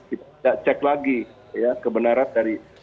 kita cek lagi ya kebenaran dari